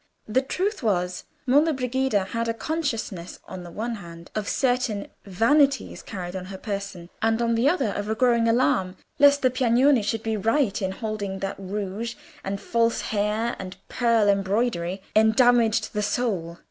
The truth was, Monna Brigida had a consciousness on the one hand of certain "vanities" carried on her person, and on the other of a growing alarm lest the Piagnoni should be right in holding that rouge, and false hair, and pearl embroidery, endamaged the soul.